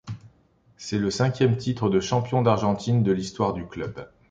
C'est le cinquième titre de champion d'Argentine de l'histoire du club.